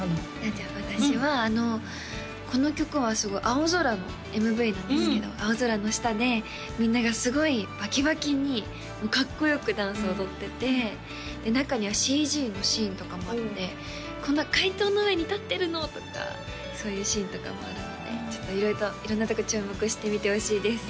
じゃあ私はこの曲はすごい青空のＭＶなんですけど青空の下でみんながすごいバキバキにかっこよくダンス踊ってて中にはＣＧのシーンとかもあってこんな街灯の上に立ってるのとかそういうシーンとかもあるので色んなとこ注目してみてほしいです